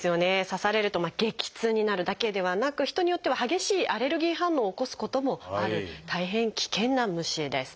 刺されると激痛になるだけではなく人によっては激しいアレルギー反応を起こすこともある大変危険な虫です。